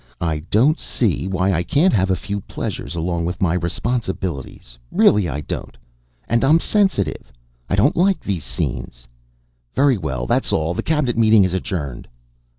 I don't see why I can't have a few pleasures along with my responsibilities. Really I don't. And I'm sensitive. I don't like these scenes. Very well. That's all. The Cabinet meeting is adjourned."